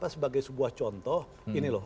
sebagai sebuah contoh